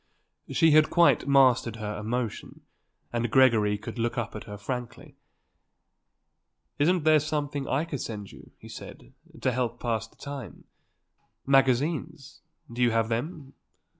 She had quite mastered her emotion and Gregory could look up at her frankly. "Isn't there something I could send you," he said, "to help to pass the time? Magazines? Do you have them?